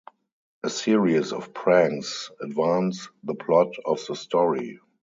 A series of pranks advance the plot of the story.